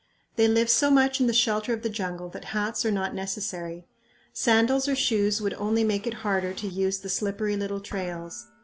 They live so much in the shelter of the jungle that hats are not necessary. Sandals or shoes would only make it harder to use the slippery little trails.